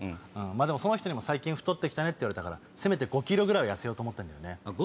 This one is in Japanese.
その人にも最近太って来たねって言われたからせめて５ｋｇぐらいは痩せようと思ってんだよね。